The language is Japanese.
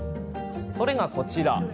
それが、こちら。